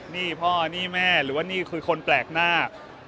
นี่พ่อนี่แม่หรือว่านี่คือคนแปลกหน้า